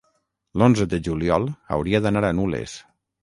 L'onze de juliol hauria d'anar a Nules.